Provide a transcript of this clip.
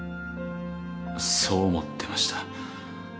そう思ってました。